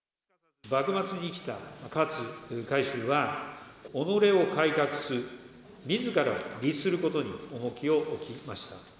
幕末に生きた勝海舟は、己を改革す、みずからを律することに重きを置きました。